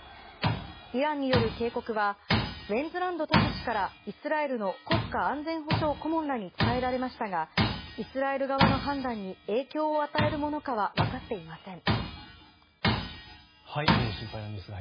イランによる警告はウェンズランド特使からイスラエルの国家安全保障顧問らに伝えられましたがイスラエル側の判断に影響を与えるものかは分かっていません。